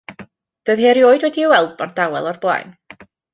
Doedd hi erioed wedi'i weld mor dawel o'r blaen.